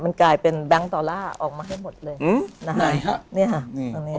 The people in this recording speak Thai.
มันกลายเป็นแบงค์ดอลลาร์ออกมาให้หมดเลยอืมนะฮะเนี่ยตรงนี้